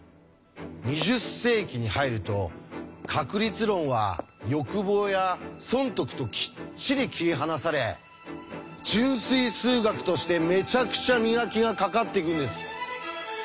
２０世紀に入ると確率論は欲望や損得ときっちり切り離され純粋数学としてめちゃくちゃ磨きがかかっていくんです！